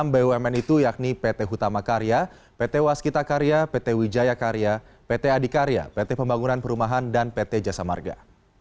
enam bumn itu yakni pt hutama karya pt waskita karya pt wijaya karya pt adikarya pt pembangunan perumahan dan pt jasa marga